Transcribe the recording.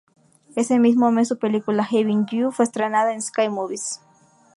Ese mismo mes su película, "Having You", fue estrenada en Sky Movies.